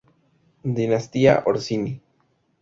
Dinastía Orsini.